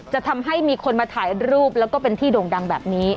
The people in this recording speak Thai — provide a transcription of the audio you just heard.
จะทำให้มีคนมาถ่ายรูปแล้วก็เป็นที่โด่งดังแบบนี้